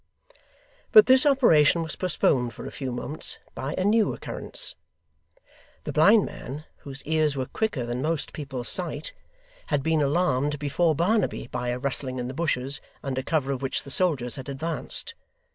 But this operation was postponed for a few moments by a new occurrence. The blind man, whose ears were quicker than most people's sight, had been alarmed, before Barnaby, by a rustling in the bushes, under cover of which the soldiers had advanced.